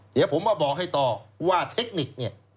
เดี๋ยวผมมาบอกให้ต่อว่าเทคนิคเนี่ย